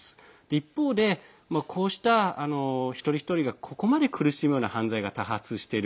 一方で、こうした一人一人がここまで苦しむような犯罪が多発している。